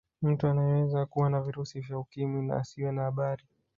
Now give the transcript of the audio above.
Mtu anaweza kuwa na virusi vya ukimwi na asiwe na habari